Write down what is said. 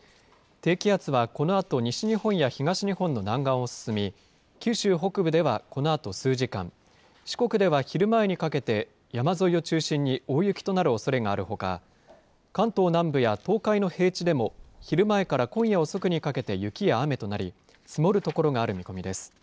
低気圧はこのあと西日本や東日本の南岸を進み、九州北部ではこのあと数時間、四国では昼前にかけて、山沿いを中心に大雪となるおそれがあるほか、関東南部や東海の平地でも、昼前から今夜遅くにかけて雪や雨となり、積もる所がある見込みです。